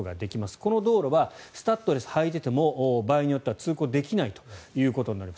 この道路はスタッドレスを履いていても場合によっては通行できないということになります。